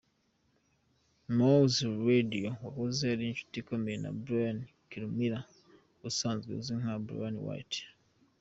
Mowzey Radio yahoze ari inshuti ikomeye ya Brian Kirumira ubusanzwe uzwi nka Bryan White.